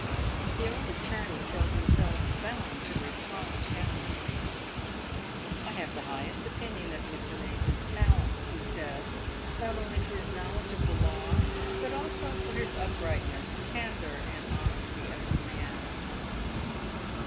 The old attorney felt himself bound to respond handsomely. " I have the highest opinion of Mr. Nathan's talents," he said, " not only for his knowledge of the law, but also for his uprightness, candour, and honesty as a man."